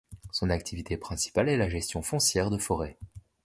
Son activité principale est la gestion foncière de forêt.